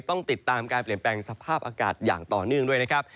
ต้องติดตามการเปลี่ยนแปลงสภาพอากาศอย่างต่อเนื่องด้วยนะครับ